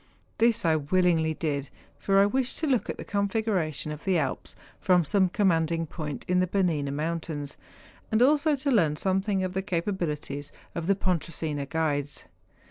This I willingly did, for I wished to look at the configuration of the Alps from some com¬ manding point in the Bernina mountains, and also to learn something of the capabilities of the Pon¬ tresina guides.